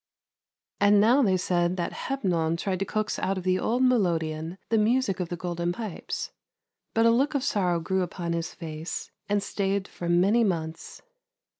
And now they said that Hepnon tried to coax out of the old melodeon the music of the Golden Pipes. But a look of sorrow grew upon his face, and stayed for many months.